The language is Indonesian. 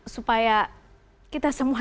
supaya kita semua